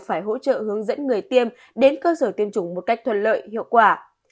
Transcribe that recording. phải hỗ trợ hướng dẫn người tiêm đến cơ sở tiêm chủng một cách thuận lợi hiệu quả